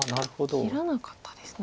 切らなかったですね。